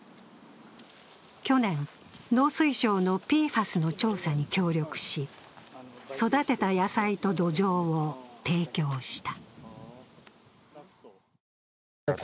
去年、農林水産省のＰＦＡＳの調査に協力し、育てた野菜と土壌を提供した。